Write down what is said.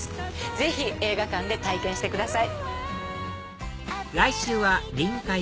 ぜひ映画館で体験してください！